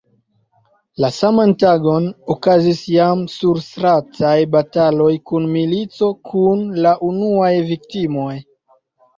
La saman tagon okazis jam surstrataj bataloj kun milico, kun la unuaj viktimoj.